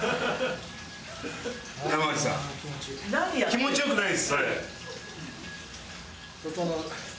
気持ち良くないですそれ。